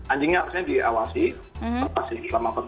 anjingnya harusnya diawasi apa sih selama empat belas hari